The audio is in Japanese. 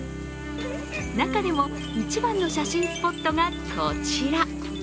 中でも一番の写真スポットがこちら。